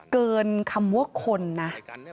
เกินคำว่าคนนะ